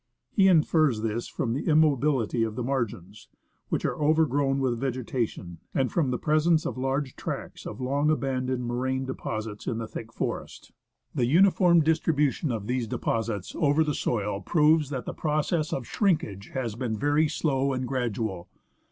He infers this from the immobility of the margins, which are overgrown with vegetation, and from the presence of large tracks of long abandoned moraine deposits in the thick forest. The uniform distribution of these deposits over the soil proves that the process of shrinkage has been very slow and gradual.